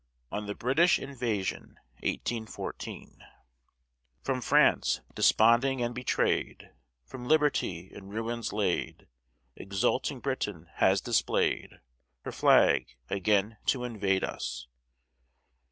ON THE BRITISH INVASION From France, desponding and betray'd, From liberty in ruins laid, Exulting Britain has display'd Her flag, again to invade us.